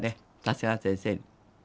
長谷川先生に。